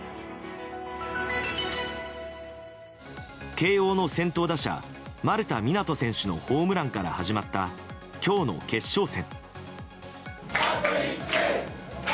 慶應の先頭打者丸田湊斗選手のホームランから始まった今日の決勝戦。